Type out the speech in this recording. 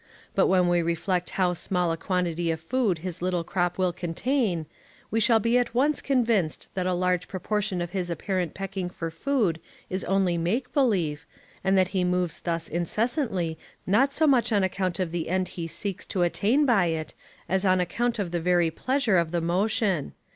But when we reflect how small a quantity of food his little crop will contain, we shall be at once convinced that a large proportion of his apparent pecking for food is only make believe, and that he moves thus incessantly not so much on account of the end he seeks to attain by it, as on account of the very pleasure of the motion.